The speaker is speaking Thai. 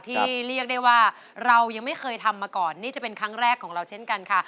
เรียกได้ว่าเรายังไม่เคยทำมาก่อนนี่จะเป็นครั้งแรกของเราเช่นกันค่ะ